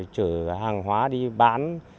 chở hàng hóa đi bán